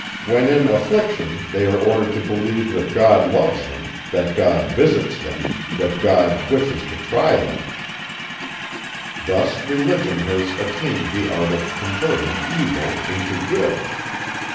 When in affliction, they are ordered to believe that God loves them, that God visits them, that God wishes to try them. Thus religion has attained the art of converting evil into good!